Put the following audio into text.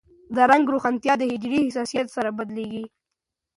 د رنګ روښانتیا د حجرې حساسیت سره بدلېږي.